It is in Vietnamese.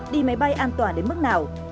đi máy bay an toàn đến mức nào